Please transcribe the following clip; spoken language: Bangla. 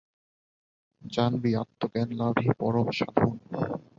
জানবি, আত্মজ্ঞানলাভই পরম সাধন।